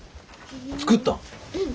作ったん？